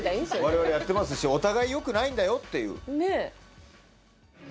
われわれやってますしお互いよくないんだよっていう。